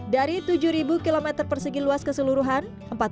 dari tujuh ribu km luas ke seluruhan